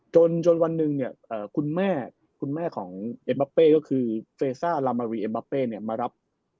จนวันหนึ่งเนี่ยคุณแม่คุณแม่ของเอ็มบาเป้ก็คือเฟซ่าลามารีเอ็บบาเป้เนี่ยมารับ